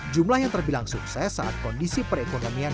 jumlah yang terbilang sukses saat kondisi perekonomian